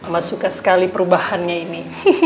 mas suka sekali perubahannya ini